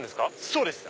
そうです。